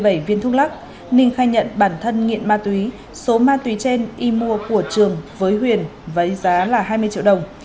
vào ngày chín tháng chín võ ninh khai nhận bản thân nghiện ma túy số ma túy trên y mua của trường với huyền với giá hai mươi triệu đồng